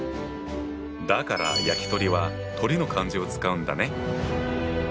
だから焼き鳥は鳥の漢字を使うんだね。